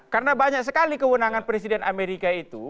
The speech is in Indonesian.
karena banyak sekali kewenangan presiden amerika itu